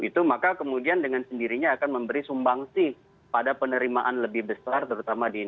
itu maka kemudian dengan sendirinya akan memberi sumbangsi pada penerimaan lebih besar terutama di indonesia